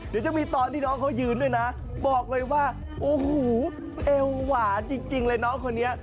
เดี๋ยวจะมีตอนที่น้องเขายืนด้วยนะบอกเลยว่าโอ้โหเอวหวานจริงเลยน้องคนนี้